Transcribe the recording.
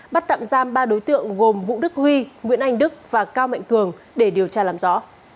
bắt tạm giam ba đối tượng gồm vũ đức huy nguyễn anh đức và cao mạnh cường để điều tra làm rõ